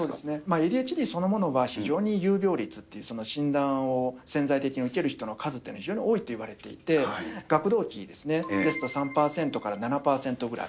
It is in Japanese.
ＡＤＨＤそのものは非常に有病率っていう、診断を潜在的に受ける人の数というのは非常に多いといわれていて、学童期ですね、ですと、３％から７％ぐらい。